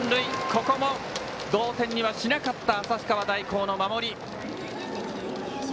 ここも同点にはしなかった旭川大高の守り。